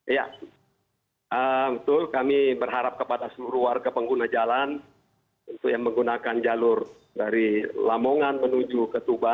iya betul kami berharap kepada seluruh warga pengguna jalan untuk yang menggunakan jalur dari lamongan menuju ke tuban